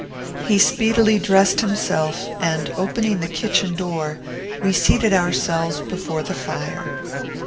He speedily dressed himself, and, opening the kitchen door, we seated ourselves before the fire.